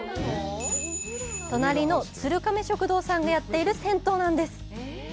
隣の鶴亀食堂さんがやっている銭湯なんです！